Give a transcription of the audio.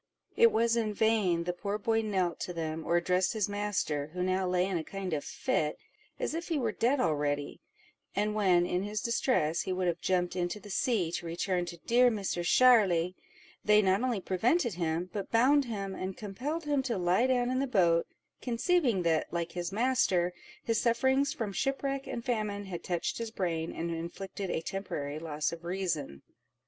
It was in vain the poor boy knelt to them, or addressed his master, who now lay in a kind of fit, as if he were dead already; and when, in his distress, he would have jumped into the sea, to return to "dear Misser Sharly," they not only prevented him, but bound him, and compelled him to lie down in the boat, conceiving that, like his master, his sufferings from shipwreck and famine had touched his brain, and inflicted a temporary loss of reason.